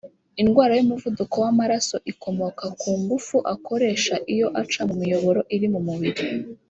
Indwara y’umuvuduko w’amaraso ikomoka ku ngufu akoresha iyo aca mu miyoboro iri mu mubiri